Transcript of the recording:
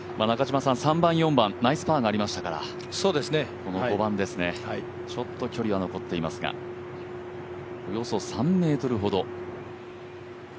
３番、４番、ナイスパーがありましたから、この５番ですね、ちょっと距離は残っていますが、およそ３ｍほど。